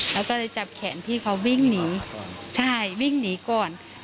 แล้วก็เลยจับแขนพี่เขาวิ่งหนีใช่วิ่งหนีก่อน